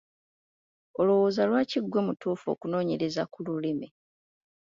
Olowooza lwaki ggwe mutuufu okunoonyereza ku lulimi?